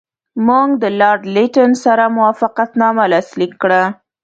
موږ له لارډ لیټن سره موافقتنامه لاسلیک کړه.